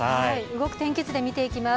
動く天気図で見ていきます。